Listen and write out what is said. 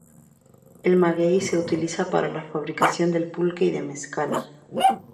El maguey se utiliza para la fabricación del pulque y del mezcal.